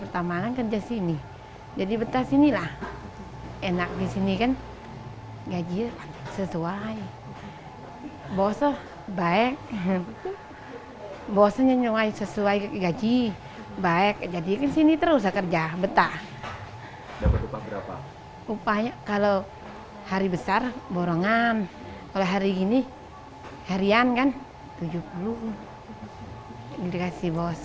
terima kasih bos